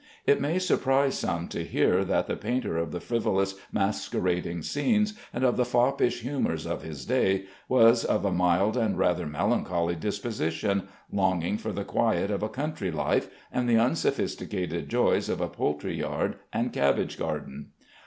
It may surprise some to hear that the painter of the frivolous, masquerading scenes and of the foppish humors of his day was of a mild and rather melancholy disposition, longing for the quiet of a country life, and the unsophisticated joys of a poultry yard and cabbage garden.